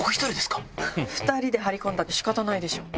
２人で張り込んだって仕方ないでしょ。